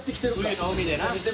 冬の海でな。